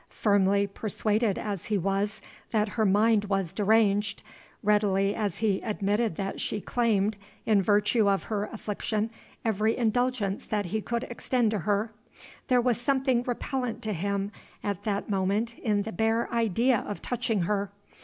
Firmly persuaded as he was that her mind was deranged readily as he admitted that she claimed, in virtue of her affliction, every indulgence that he could extend to her there was something repellent to him at that moment in the bare idea of touching her.